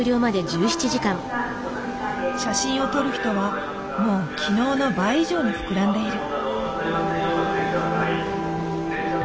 写真を撮る人はもう昨日の倍以上に膨らんでいる。